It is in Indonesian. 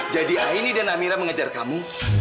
jadi aini dan amira mengejar kamu